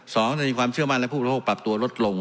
จะมีความเชื่อมั่นและผู้บริโภคปรับตัวลดลง